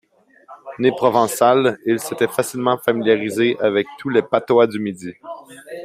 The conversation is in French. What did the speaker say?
Né provençal, il s’était facilement familiarisé avec tous les patois du midi.